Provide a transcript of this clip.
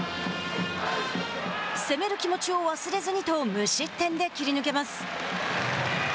攻める気持ちを忘れずにと無失点で切り抜けます。